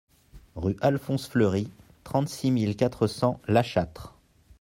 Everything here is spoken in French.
Rue Alphonse Fleury, trente-six mille quatre cents La Châtre